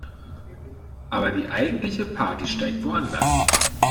Aber die eigentliche Party steigt woanders.